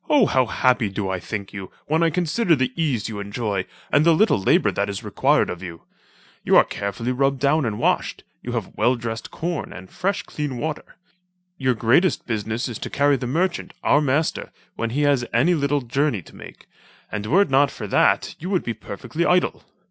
how happy do I think you, when I consider the ease you enjoy, and the little labour that is required of you. You are carefully rubbed down and washed, you have well dressed corn, and fresh clean water. Your greatest business is to carry the merchant, our master, when he has any little journey to make, and were it not for that you would be perfectly idle.